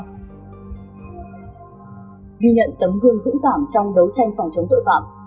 ghi nhận tấm gương dũng cảm trong đấu tranh phòng chống tội phạm